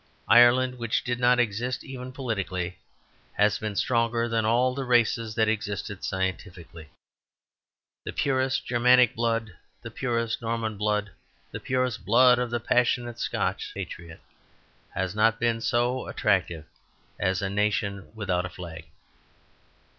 Ireland, which did not exist even politically, has been stronger than all the races that existed scientifically. The purest Germanic blood, the purest Norman blood, the purest blood of the passionate Scotch patriot, has not been so attractive as a nation without a flag.